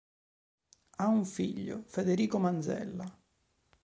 Ha un figlio, Federico Manzella.